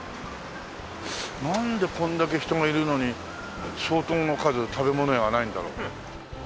なんでこんだけ人がいるのに相当の数食べ物屋がないんだろう。